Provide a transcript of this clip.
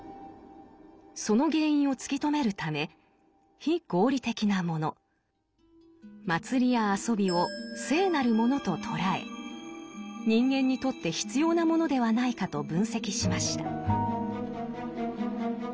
その原因を突き止めるため非合理的なもの「祭り」や「遊び」を「聖なるもの」と捉え人間にとって必要なものではないかと分析しました。